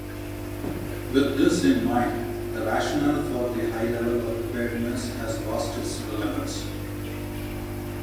With this in mind, the rationale for the high level of preparedness has lost its relevance.